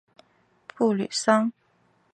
布吕桑。